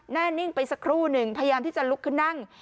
แน่นิ่งไปสักครู่หนึ่งพยายามที่จะลุกขึ้นนั่ง